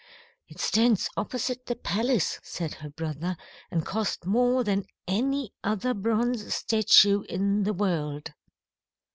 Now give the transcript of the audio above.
"It stands opposite the palace," said her brother, "and cost more than any other bronze statue in the world."